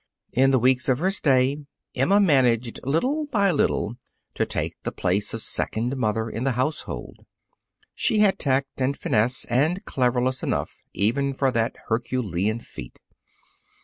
In the weeks of her stay, Emma managed, little by little, to take the place of second mother in the household. She had tact and finesse and cleverness enough even for that herculean feat.